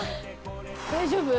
大丈夫？